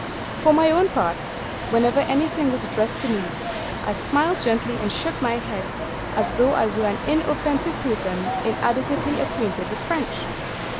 For my own part, whenever anything was addressed to me, I smiled gently and shook my head as though I were an inoffensive person inadequately acquainted with French.